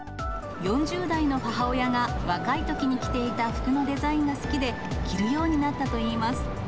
４０代の母親が若いときに着ていた服のデザインが好きで、着るようになったといいます。